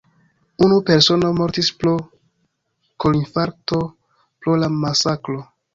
Unu persono mortis pro korinfarkto pro la masakro.